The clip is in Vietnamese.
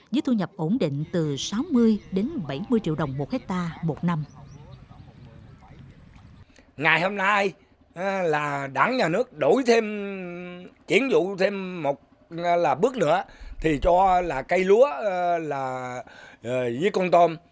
với thu nhập ổn định từ sáu mươi đến bảy mươi triệu đồng một hectare một năm